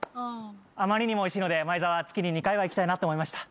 あまりにもおいしいので前澤月に２回は行きたいなと思いました。